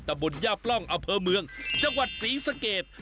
แต่บนหญ้าปล้องอเภอเมืองจังหวัดศรีสเกษ